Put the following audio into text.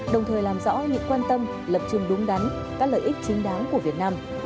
đồng thời làm rõ những quan tâm lập trường đúng đắn các lợi ích chính đáng của việt nam